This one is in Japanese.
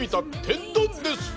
天丼です。